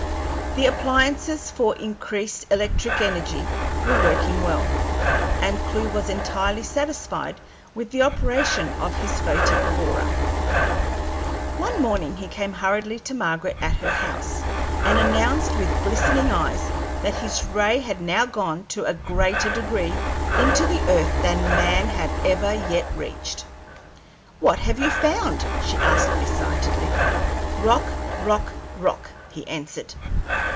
The appliances for increased electric energy were working well, and Clewe was entirely satisfied with the operation of his photic borer. One morning he came hurriedly to Margaret at her house, and announced with glistening eyes that his ray had now gone to a greater degree into the earth than man had ever yet reached. "What have you found?" she asked, excitedly. "Rock, rock, rock," he answered.